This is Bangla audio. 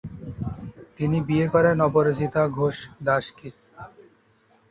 তিনি বিয়ে করেন অপরাজিতা ঘোষ দাস কে।